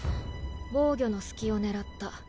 防御の隙を狙った。